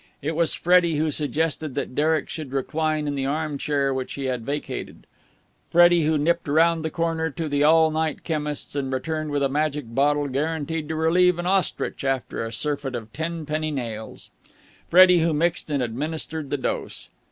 It was Freddie who suggested that Derek should recline in the arm chair which he had vacated; Freddie who nipped round the corner to the all night chemist's and returned with a magic bottle guaranteed to relieve an ostrich after a surfeit of tenpenny nails; Freddie who mixed and administered the dose.